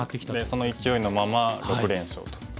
その勢いのまま６連勝と。